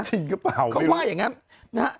จีนก็เปล่าไม่รู้คบว่าอย่างงั้นนะฮะ